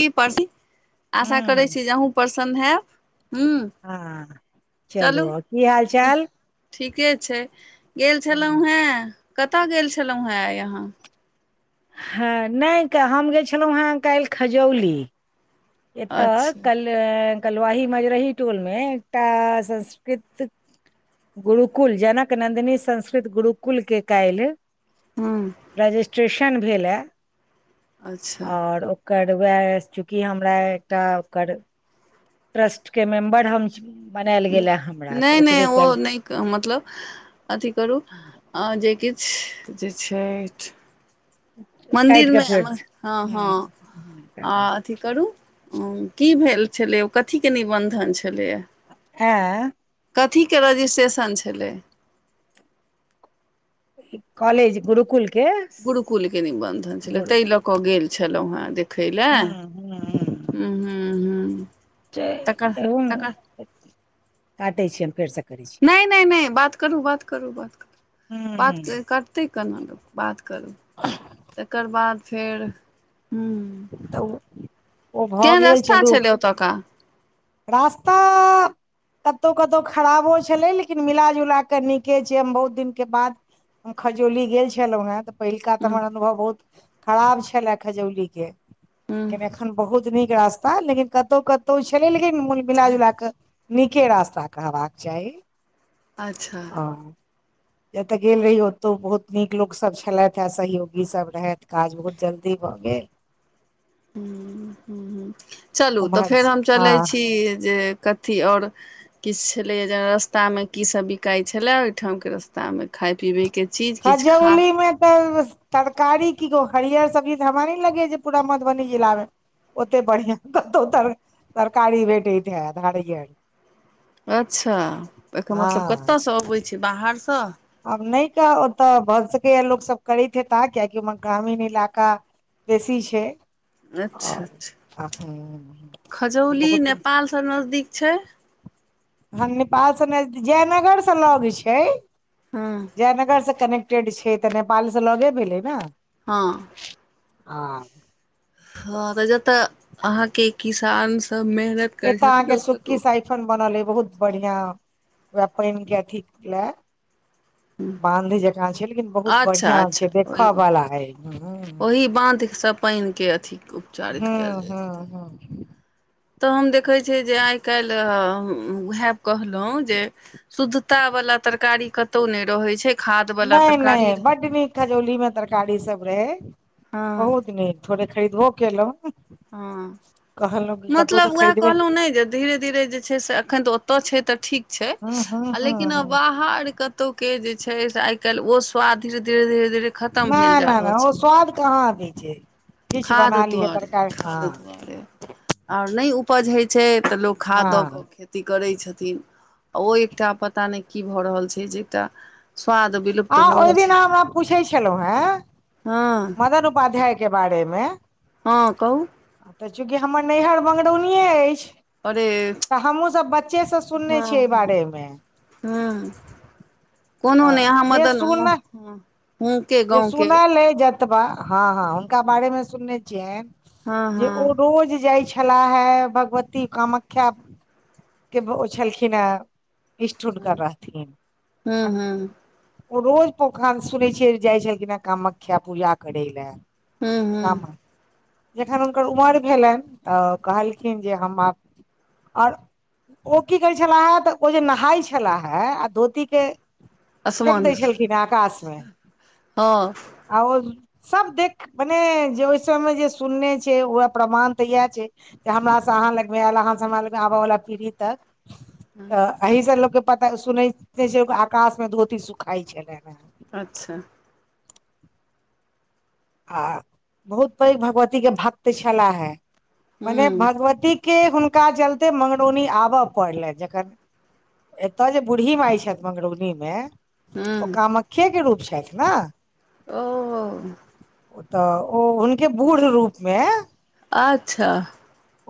इ [unintelligible] आशा करै हूँ छी जे अहू प्रसन हैब हु। ह चलु और की हाल चाल। ठीके छैय। गेल हूँ छलहुँ हें कत‌अ गेल छलहुँ हेँ आइ अहाँ। हां न‌इ हम गेल छलहुँ हेँ कायल खजौली। एत‌अ अच्छा कल कलुवाही मजरही टोलमे एकटा संस्कृत गुरुकुल जनक नन्दिनी संस्कृत गुरुकुलके कायल हँ। रजिस्ट्रेशन अच्छा भेलाह और ओकर वएह चुकी हम [unintelligible] ओकर ट्रस्ट के मेम्बर हम छी बनायल गेल ए हमरा न‌इ तऽ न‌इ ओकरे ओ काल्हि न‌इ मतलब अथी करू। हा जे किछ जे छैथ। काटि कऽ मन्दिरमे फेर हँ- हँ हूँ आ अथी करू। की भेल छलै ओ कथीके निबन्धन छलैया एँ। कथीके रजिस्ट्रेशन छलैय। कॉलेज गुरुकुल के। गुरुकुल के निबन्धन छलै गुरु तैय लऽ कऽ गेल छलहुँ हेँ देख खयले हूं हूं ऊहु ऊहु। [inaudible] काटै छी हम फेर स करै छी न‌इ- न‌इ- न‌इ बात करू, बात करू, बात करु हूं बात हूं कर तें कहलहुँने बात करू, तकर बाद फेर हुं तऽ ओ, ओ भऽ गेल रस्ता चलु। छलै ओतुका रास्ता कतौ कतौ खराबो छलै लेकिन मिलाजुला कऽ नीके छैय हम बहुत दिनके बाद हम खजौली गेल छलहुँ हेँ तऽ पहिलका तऽ हूँ हमर अनुभव बहुत खराब छला खजौलीे के हूँ लेकिन एखन बहुत नीक रास्ता लेकिन कतौ- कतौ छलै लेकिन मुल मिलाजुला कऽ नीके रास्ता कहबाक चाही। अच्छा। जत‌अ गेल रही ओतौ बहुत नीक लोकसब छलैथ आ सहयोगी सब रहैथ काज बहुत जल्दी भऽ गेल। ह-ह-ह चलू तऽ उम्हर फेर हम चलै हँ छी जे कत थी और किछ छलैय जेना रस्तामे की सब बिकाय छलै ओहिठामके रस्तामे खाय पीबेके। खजौली मे तऽ तरकारी की गोह हरियर सब्जी त हमरा न‌इ लगैय छै पूरा मधुबनी जिलामे ओते बढ़िआ कतहु तर तरकारी भेटैत हैत हरियर। अच्छा ओय के मतलब हँ कतऽ स अबैय छै बाहर स आब न‌इ कहब ओतऽ भऽ सकैए लोकसब करैत हेता कियाकि ओमहर ग्रामीण इलाका बेसी छै। अच्छा आओर अच्छा तऽ खजौली नेपाल स नजदीक छैय। ह नेपाल स नज जयनगर स लौग छै। हँ जयनगर स कनेक्टेड छै तऽ नेपालस लगै भेलै न हँ आब ह जतऽ अहाँ के किसान सब मेहनत करै एत अहाँ छथिन के सुक्की ओतऽ साइफन बनल ऐ बहुत बढ़िया वाह पाइन के अथी ले हूँ आँधी जेका छै लेकिन बहुत बढ़िया छै देखऽ बला ऐ हुं-हुं ई बाँधस पाइन के अथी उपचारित कायल जाइत हूं हेत हूं तऽ हम देखै छियै जे आइ कायल हैं ऊहे कहलहुँ जे शुद्धता वला तरकारी कतौ न‌इ रहे छै। खाद वाला नै नै तरकारी बड नीक खजौली मे तरकारी सब रहे हँ बहुत नीक थोड़े खरीदबो केलहुॅं हँ मतलब वैह खरीदबे कहलहुँ नहि जे धीरे-धीरे जे छै से एखन तऽ ओतय छै तऽ ठीक छै हूं हूं आ हूं लेकिन आ हूं बाहर कतौ के जे छै से आइ कैल ओ स्वाद धीरे-धीरे-धीरे नहि नहि नहि ओ स्वाद कहाँ दै छै किछ खाद बना लियअ दुआरे तड़कार खाद दुआरे आर नैय उपज होइ छै तऽ लोक खाद दऽ हँ कऽ खेत करै छथिन आ ओ एकटा पता नहि की भऽ रहल छै जे एकटा स्वाद विलुप्त आ भऽ रहल ओहि दिन छै अहा हमरा पूछै छलहुँ है। हँ [unintelligible] उपाध्याय के बारेमे हँ कहुँ तऽ चूँकि हमर नैहर मंगरौनीये अछि। अरे तऽ हमहूँसब बच्चेसँ सुनने हँ छियै एहि बारेमे हँ अ कोनो नहि अहाँ मदन जेसुन हँ हूँ के जे गाँवके सुनल एय ज जतबा ह-ह हुनका बारेन में सुनने छियेन हँ जे ओ हँ रोज जाय छलाह हे भगवती कामाख्या के ओ छलखिन हे इस्ठुट कर हूँ रहथिन अप हूँ ओ रोज पोखान सुनै छियै जाइ छलखिन ह कामाख्या पूजा करै लै। हूँ हूँ काम एय जखन हुनकर उमर भेलनि तऽ कहलखिन जे हम आब आर ओ की करै छलाहे तऽ ओ जे नहाय छलाहे आ धोतीके फेेक असमान दैय भी छलखिन हे आकाश मे हँ आ ओ सब देख मने जे ओहि समयमे जे सुनने छै ओह प्रमाण तऽ इहे छै। हमरास अहाँ लगमे ऐल अहाँ हमरा लग में आबऽ वला पीढ़ी तऽ तऽ एहि से लोकके पता सुन छै आकाश मे धोती सुखाइ छलैन हे। अच्छा आ बहुत पैघ भगवती के भक्त छलाह हे मने हूँ भगवती के हुनका जलते मंगरौनी आबऽ पड़लनि जखन एत जे बूढ़ी माई छथि मंगरौगनी मे ओ हूँ कामख्ये के रूप छथि ने ओहो ओ तऽ ओ हुनके बूढ़ रूपमे अच्छा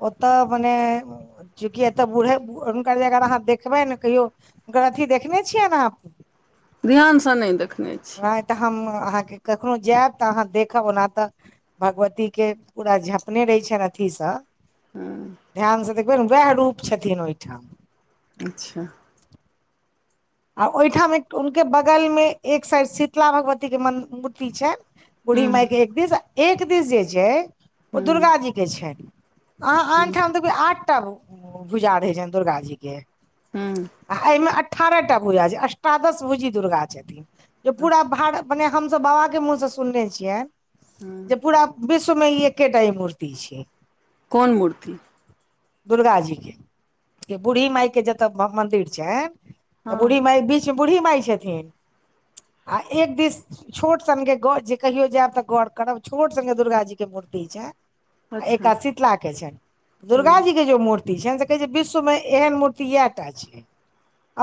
ओतऽ बने चूँकि एतऽ बूढ़े हुनकर जे अगर अहाँ देखबै ने कहियो हुनकर अथी देखने छियै नेह? ध्यानसँ नहि देखने छी नहि तऽ हम अहांके कखनो जायब तऽ अहां देखब ओना तऽ भगवती के पूरा झपने रहै छनि अथी स हूँ [unintelligible] ध्यानसँ देखबै न उएह रूप छथिन ओहिठाम अच्छा आ ओहिठाम एक हुनके बगल मे एक साइड शीतला भगवती के म मूर्ति छैय बूढ़ी हूँ माई हूँ के एक दिस आ एक दिस जे छैय ओ हूँ दुर्गा जी के छैय अहां आन हूँ ठाम देखबै आठटा भूजा रहै छनि दुर्गााजी के हूँ आ एहिमे अठारह टा भूजा छै अष्ठादश भूजी दुर्गा छथिन जे पूरा अच्छा भार अपने हम सभ बाबाके मुँहसँ सुनने छियैन हूँ जे पूरा विश्वमे ई एकेटा ई मूर्ति छैय कोन मूर्ति दुर्गा जीे बूढ़ी माायके जतऽ मन्दिर छैन तऽ बूढ़ी हँ माई बीच मे बूढ़ी माई छथिन आ एक दिस छोट स्गे ग जे कहियो जायब तऽ गौर करब छोट स्गे दुर्गा जी के मूर्ति छैन अच्छा एकात शीतला के छैन दुर्गा हूँ जी के जे मूर्ति। से कहे छैय विश्व में एहन मूर्ति इह टा छैय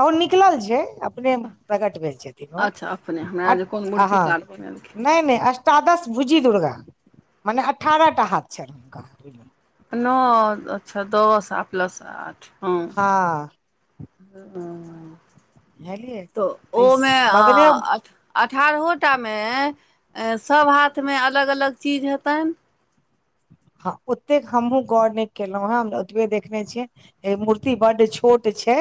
ओ निकलल छैय। प्रेम प्रगट भेल छथिन्ह ओ अच्छा अपने हमरा हट जे कोन आहां मूर्तिकार बनेलखिन नैने अष्ट। अष्टादश भुजी दुर्गा मने अठारहटा हाथ छैन हुनका न अच्छा दस आ प्लस आठ। हँ हां बुझलियै तऽ ओमेआठ।? अठारहोटा मे सब हाथमे अलग अलग चीज हेतनि। हं ओतेक हमहुं गौर नहि केलहुं ह हमह ओतबे देखने छियै। एक मूर्ति बड छोट छै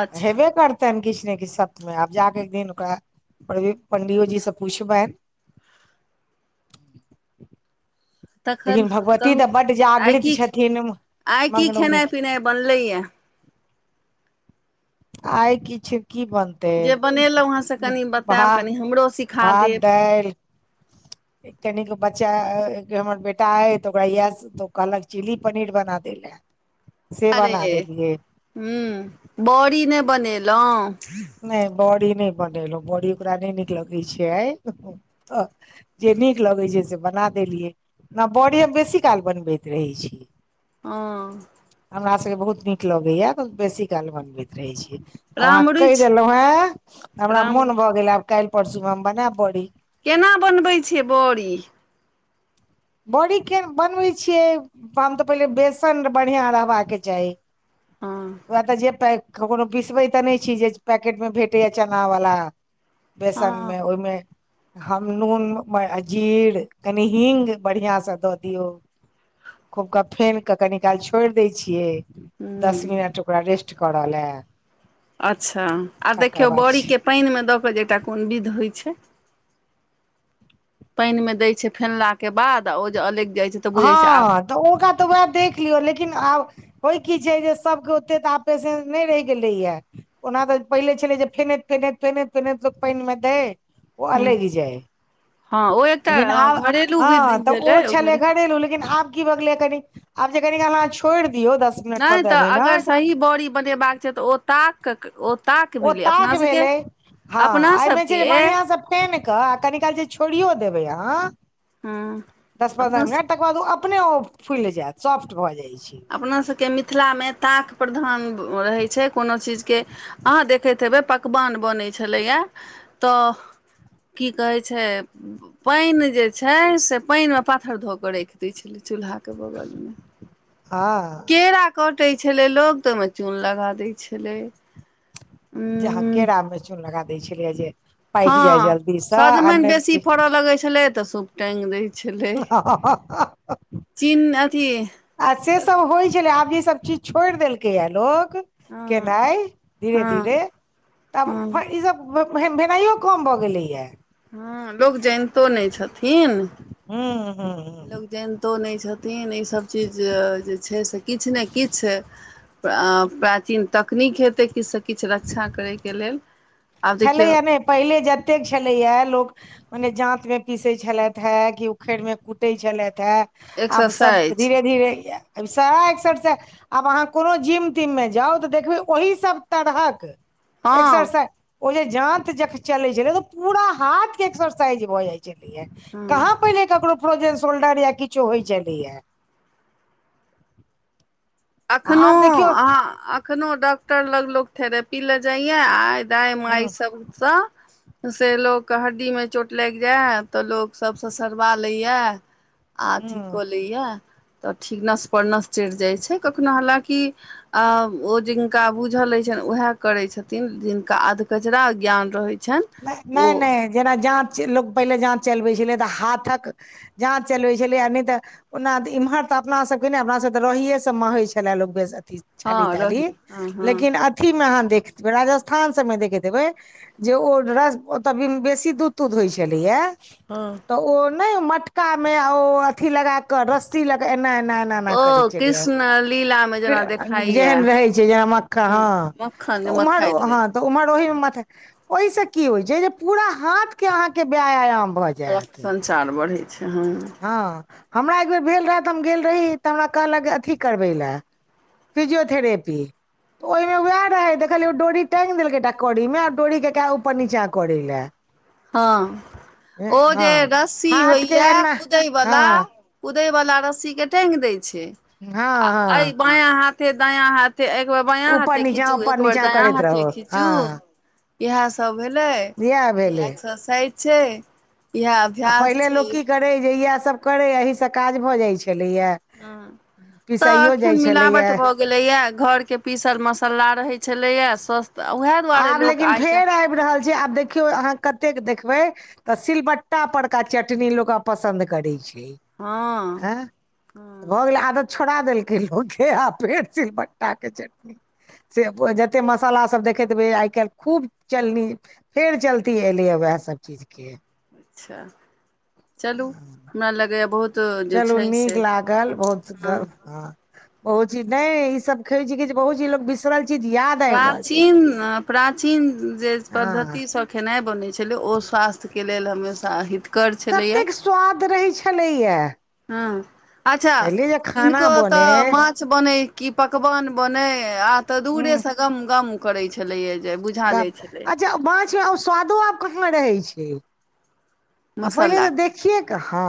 अच्छा हेबे करते। त किछु ने किछु सप्त में आब जाके एक दिन ओकरा पंडियो जी से पूछबनि। तखन लेकिन भगवती कहू तऽ बड्ड आइ जागृत की छथिन आइ की मंगनौनी खेनाइ पिनाइ बनलैये। आइ किछ की बन। तेऽ जे बनेलहुँ हेँ से कनि भा बतायब कनि हमरो सिखा भात देब दालि। कनिगो बच्चा हमर बेटा अइ तऽ ओकरा इएह सब। वो कहलक चिल्ली पनीर बना देलै अरे हूं बड़ी नहि बनेलहुं। नहि बड़ी नहि बनेलहुं बड़ी ओकरा नहि नीक लगै छैय। जे नीक लगैय छैय से बना देलियै ओना बड़ी हम बेसी काल बनबैत रहैत छी। हँ। [unintelligible] [unintelligible] [unintelligible] हमरा सभके बहुत नीक लगैया तऽ बेसी काल बनबैत रहै छीयै। रामरुच। [unintelligible] कहि देलहुं हे हमरा मोन भऽ गेल आब काल्हि परसू मे हम बनैब बड़ी। केना बनबै छियै बड़ी। बड़ी के बनबैत छियै हम तऽ पहिले बेसन बढ़िआँ रहबाक चाही। हँ ओ तऽ जे ककरो पिसबै तऽ नहि छी जे पैकेटमे भेटैया चना वाला‌ हँ बेसनमे ओहिमे हम नून अ जीर कनि हिंग बढ़ियां से दऽ दियौ खूब क फेनके कनी काल छोड़ि दै छियै। दस हूँ मिनट ओकरा रेस्ट करऽ ल। अच्छा आ देखियौ छै बड़ीके पानिमे दऽ कऽ जे एकटा कोन विध होइत छै। पानि मे दय छैय फेनलाके बाद आ ओ जे अलैग जाइ छैय। हँ तऽ ओकरा तऽ उएह देख लियौ लेकिन आब होइ की छैय जे सभके ओते तऽ आब पेशेंस नहि रहि गेलैए। ओना तऽ पहिले छलै जे फेनैत- फेनैत -फेनैत- फेनैत लोक पानिमे देै ओ हूँ अलगि जाय। हँ ओ एक लेकिन आब हँ तऽ ओ छलै घरे घरेलू लेकिन आब की भ गेलैए कनी आब जे कनी काल अहाँ छोइड़ दियौ दस मिनट नहि पन्द्रह तऽ अगर मिनट सही बड़ी बनेबाक छैय तऽ ओ ताक ओ ताक ओ भेलै अपना ताक सबके, भेलै हँ अपना एहिमे छै सबके जे बढ़िआँसँ फेन क आ कनिकाल जे छौरियौ देबै अहा हँ दस पन्दह अपना मिनट तकर बाद ओ अपने ओ फुलि जायत सॉफ्ट भऽ जाइ छैय। अपना सबके मिथिलामे ताक प्रधान रहै छैय। कोनो चीजके अहाँ देखैत हेबै पकवान बनै छलैए तऽ की कहै छैय पानि जे छैय से पानिमे पाथर धऽ कऽ राखि दैत छलै चूल्हाके बगलमे‌। हँ। केरा कटै छलै लोक तऽ ओहिमे चून लगा दै छलै। जे उं केरा मे चून लगा दै छलियै जे। पाकि जाय हँ जल्दीसँ आ सजमनि बेसी नहि फड़ऽ लगैत छलै तऽ सुप टैंग दय छेलै चीन अथी आ से सब कथी होय छेलै आब ईसब चीज छोड़ देलकैए या लोक हँ केनाय धीरे हँ -धीरे तब हँ इ सब भेन-भेनाइयो कम भऽ गेलैया। हँ लोक जनितो नैय छथिन। हूँ- हूँ। लोक जैनतो नैय छथिन इसब चीज जे छैय से किछु ने किछु प्राचीन तकनीक हेतै किछ स किछ रक्षा करै के लेल। आब देखियौ छलैया ने पहिले जतेक छेलैया लोक मने जांत में पीसय छेलाथ हे कि उखड़ में कुटेै छेलैथ हे आब सब एक्सरसाइज धीरे धीरे सारा एक्सरसाइजसँ आब आहाँ कोनो जिम तिम मे जाउ तऽ देखबै ओही सब तरहक हँ एक्सरसाइज ओ जे जांत जखन चलेै छेलै पूरा हाथ के एक्सरसाइज भऽ जाय छै छेलैया हँ कहाँ पहिले ककरो फ्रोजन शोल्डर या किछो होयत छेलै या। अखनो आब देखियौ आहाँ अखनो डॉक्टर लग लोक थेरपी ले जाय या आ दाय -माय हूँ सब स से लोकके हड्डीमे चोट लैग जाय तऽ लोक सब ससरवा लैए या आ अथी हूँ कऽ लै या तऽ ठीक नस -परनस चैढ़ जाय छै कखनो हलाँकि अ ओ जिनका बुझल होय छैन उएह करैत छथिन जिनका अधकचरा ज्ञान रहैत नै- नै जेना जाँत लोक पहिले जाँत चलबै छलै तऽ हाथक जाँत चलबै छलै नै तऽ ओना तऽ इम्हर तऽ अपना सब के ऩै अपना सब तऽ रहिये स महै छलए लोक बेसी अथि। छाली हँ -ताली रही हँ हँ लेकिन अथी मे आहाँ देखबै राजस्थान सब मे देखैत हेबै जे ओ ओतऽ बेसी दूध -तूध होय छेलैये हं। ओ नै मटका मे ओ अथि लगाक रस्सी लग एना एना मे मे करै ओ छलै कृष्ण लीला मे जेना जेहन रहै छै जेना मक्खन हँ मखन तऽ जे उम्हर मथाइत रहै। हँ तऽ उमहर ओहि मथ ओय से की होय छै जे पूरा हाथ के अहाँ के व्यायाम भऽ रक्त संचार बढ़ै छै, हं। हं, मरा एक बेेर भेल रहे त हम गेल रही तऽ हमरा कहलक अथि करबेै ले फिजियोथेरपी तऽ ओय मे वैह रहै त देखलियै डोरी टैंग देलकै एकटा कड़ी मे आ डोरी के कहे ऊपर नीचा करै ले हं, ओ हँ जे रस्सी हाथ के होइये एना कुदय हँ वला कुदै वला रस्सीे के टैंग दै छै हं आ हं। एहि बायाँ हाथे दायाँ हाथ एक बेेर बायाँ ऊपर हाथे नीचा खिंचू ऊपर एक बेेर नीचा दाया करैत हाथे रहू खीचू हँ इएह सब भेलै इएह एक्सरसाइज छै। इएह आ अभ्यास पहिले छै लोक की करै जे इएह सब करै इएह सब से काज भऽ जाय छलैये। हुं तऽ अखन छलैए मिलावट भऽ गेल गेलैये घर के पीसल मसल्ला रहेै छलैये स्वस्थ उएह दुआरे लोक आइ काल्हि आयब रहल छै आब देखियौ अहाँ कतेक देखबै तऽ सिलबट्टा परका चटनी लोक आब पसंन्द करै छै। हँ आंय हँ भऽ गेलै आदत। छोड़ा देलकै लेक के आ फेर सिलबट्टा के चटनी। से जतेय मसाला सब देख देखैत हेबै आय कैल्ह खूब चलनी फेर चलती एलेै या वैह सब चीज के अच्छा चलू हमरा लगैये बहुत जे चलू छै नीक से लागल हँ बहुत हँ सुन्दर हँ बहुत चीज नै ई सब खै छी बहुत चीज लोक बिसरल चीज याद आबि रहल छै ई प्राचीन सब चीज न प्राचीन जे हँ पद्धति सं खेनाइ बनै छलै ओ स्वास्थ्य स्थ्य के लेल हमेशा हितकर छलैए कतेक स्वाद रहै छलैये। हुं अच्छा। किनको खाना ओतऽ बने मांछ बनै कि पकवान बनै आब त हूँ दूरेसँ गम गम करै छलैए जे बुझा जाइ छलै। जा मांछमे ओ स्वादो आब कहां रहै छै। आ पहिले त मसालाके देखिये के हँ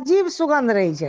अजीब सुगन्ध रहै छलै।